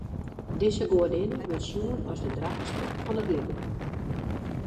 Dizze goadinne wurdt sjoen as de draachster fan it libben.